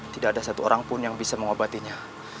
tidak ada satu orang pun yang bisa mengobatinya